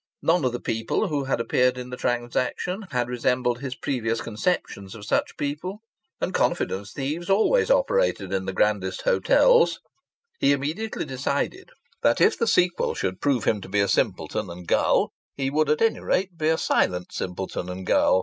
None of the people who had appeared in the transaction had resembled his previous conceptions of such people! And confidence thieves always operated in the grandest hotels! He immediately decided that if the sequel should prove him to be a simpleton and gull, he would at any rate be a silent simpleton and gull.